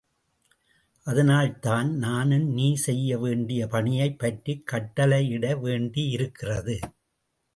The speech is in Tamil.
அதனால்தான் நானும் நீ செய்ய வேண்டிய பணியைப் பற்றிக் கட்டளையிட வேண்டியிருக்கிறது.